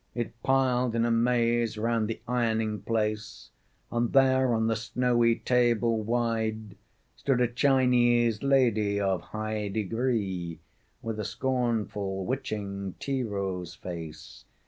It piled in a maze round the ironing place, And there on the snowy table wide Stood a Chinese lady of high degree, With a scornful, witching, tea rose face....